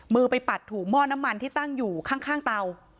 มือไปปัดถูกหม้อน้ำมันที่ตั้งอยู่ข้างเตา